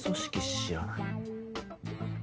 知らない？